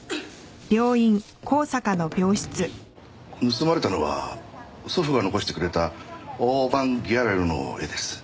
盗まれたのは祖父が残してくれたオーバンギャレルの絵です。